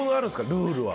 ルールは。